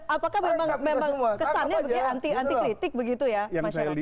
apakah memang kesannya anti kritik begitu ya masyarakat